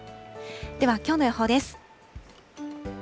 では、きょうの予報です。